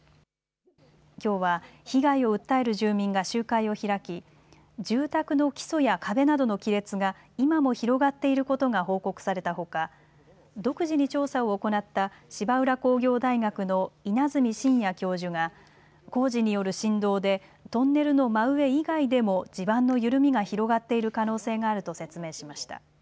きょうは被害を訴える住民が集会を開き住宅の基礎や壁などの亀裂が今も広がっていることが報告されたほか独自に調査を行った芝浦工業大学の稲積真哉教授が工事による振動でトンネルの真上以外でも地盤の緩みが広がっている可能性があると説明しました。